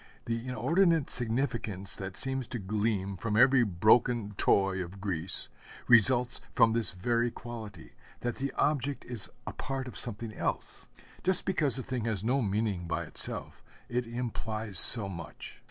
The inordinate significance that seems to gleam from every broken toy of Greece, results from this very quality that the object is a part of something else. Just because the thing has no meaning by itself, it implies so much.